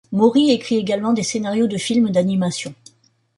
Mori écrit également des scénarios de films d'animation.